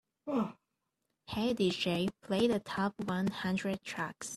"Hey DJ, play the top one hundred tracks"